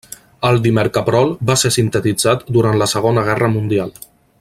El dimercaprol va ser sintetitzat durant la Segona Guerra Mundial.